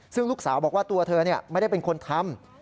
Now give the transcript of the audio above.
ซึ่งลูกสาวบอกว่าตัวเธอไม่ได้เป็นคนทำ